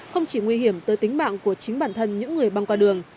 không chỉ nguy hiểm tới tính mạng của chính bản thân những người băng qua đường